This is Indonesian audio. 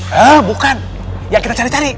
hah bukan yang kita cari cari